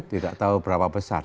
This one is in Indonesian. tidak tahu berapa besar